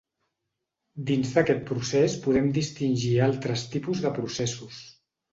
Dins d'aquest procés podem distingir altres tipus de processos.